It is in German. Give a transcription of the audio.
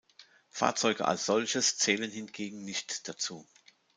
Fahrzeuge als solches zählen hingegen nicht dazu.